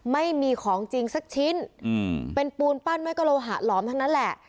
ไม่มีของจริงสักชิ้นเป็นปูนปั้นไม่ก็โลหะหลอมทั้งนั้นแหละ